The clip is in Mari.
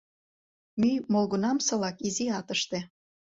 Мӱй молгунамсылак — изи атыште.